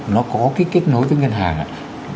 nó có cái kết nối với ngân hàng ạ